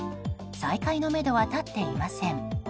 再開のめどは立っていません。